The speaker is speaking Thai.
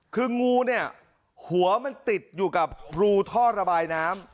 คืองูหัวติดอยู่กับลูท่อระบายน้ำ